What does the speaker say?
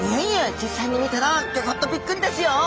実際に見たらギョギョっとびっくりですよ！